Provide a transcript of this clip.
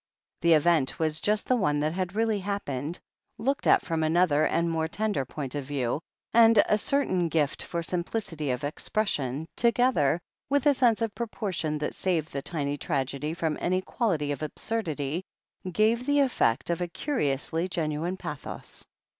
'Ilie event was just the one that had really happened, looked at from another and more tender point of view, and a certain gift for simplicity of expression, together with a sense of proportion that saved the tiny tragedy from any quality of absurdity, gave the eflFect of a cu riously genuine pathos.